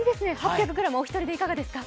８００ｇ、お一人でいかがですか？